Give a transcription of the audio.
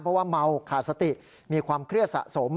เพราะว่าเมาขาดสติมีความเครียดสะสม